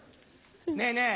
ねぇねぇ